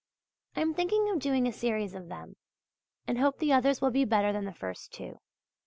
I am thinking of doing a series of them, and hope the others will be better than the first two.